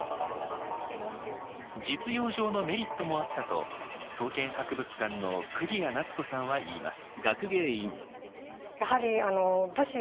実用上のメリットもあったと刀剣博物館の釘屋奈都子さんは言います。